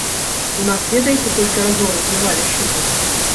У нас ведаеце, колькі разоў разбівалі шыбы?